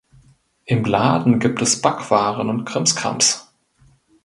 Im Laden gibt es Backwaren und Krimskrams.